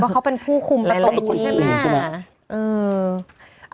ว่าเขาเป็นผู้คุ้มตรงนี้ใช่ไหม